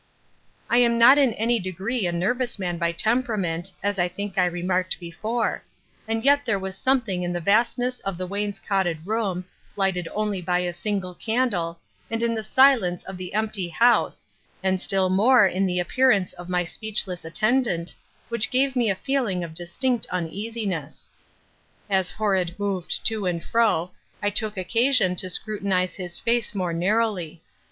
I am not in any degree a nervous man by temperament, as I think I remarked before, and yet there was something in the vastness of the wainscoted room, lighted only by a single candle, and in the silence of the empty house, and still more in the appearance of my speechless attendant, which gave me a feeling of distinct uneasiness. As Horrod moved to and fro I took occasion to scrutinize his face more narrowly.